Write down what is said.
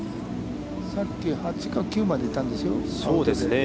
さっき、８か９までいたんですよ。